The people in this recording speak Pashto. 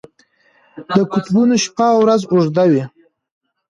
د قطبونو شپه او ورځ اوږده وي.